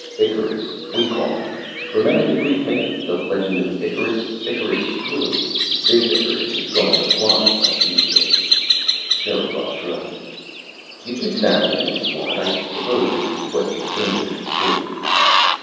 "Icarus, we call him. Remember the Greek myth? The legend of Icarus. Icarus flew.... This Icarus is going to fly, one of these days." Sherikov shrugged. "You can examine him, if you want. I suppose this is what you came here to see."